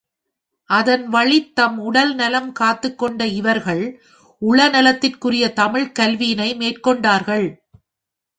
அதன்வழித் தம் உடல் நலம் காத்துக் கொண்ட இவர்கள் உளநலத்திற்குரிய தமிழ்க் கல்வியினை மேற்கொண்டார்கள்.